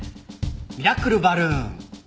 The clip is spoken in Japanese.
ミラクルバルーン！